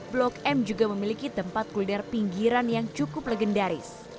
blok m juga memiliki tempat kuliner pinggiran yang cukup legendaris